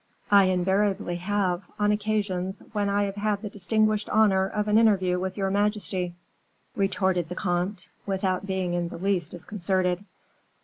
"I invariably have, on occasions when I have had the distinguished honor of an interview with your majesty," retorted the comte, without being in the least disconcerted.